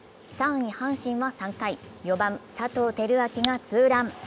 ３位・阪神は３回４番・佐藤輝明がツーラン。